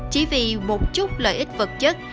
chỉ vì một chút lợi ích vật chất